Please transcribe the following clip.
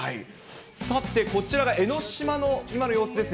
さて、こちらが江の島の今の様子です。